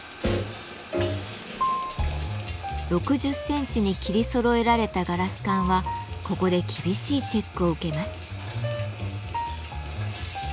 ６０センチに切りそろえられたガラス管はここで厳しいチェックを受けます。